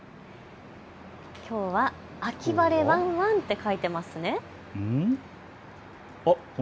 きょうは秋晴れワンワンって書いてありますね。